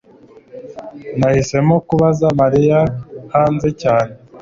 nahisemo kubaza mariya hanze cyane